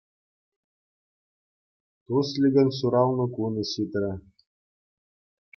Тусликӑн ҫуралнӑ кунӗ ҫитрӗ.